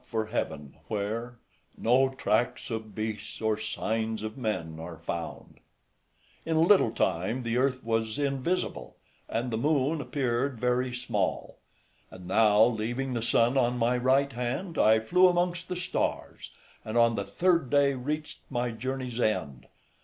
"It shall be done," said I, and away I set out for heaven, where "No tracks of beasts or signs of men are found." In a little time the earth was invisible, and the moon appeared very small; and now, leaving the sun on my right hand, I flew amongst the stars, and on the third day reached my journey's end.